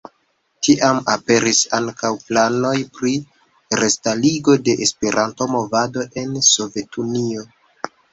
Tiam aperis ankaŭ planoj pri restarigo de Esperanto-movado en Sovetunio.